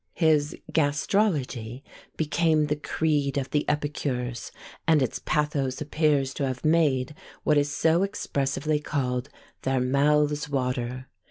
His "Gastrology" became the creed of the epicures, and its pathos appears to have made what is so expressively called "their mouths water."